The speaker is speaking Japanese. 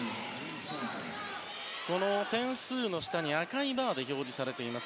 点数の下に赤いバーで表示されています